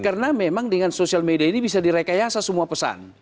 karena memang dengan sosial media ini bisa direkayasa semua pesan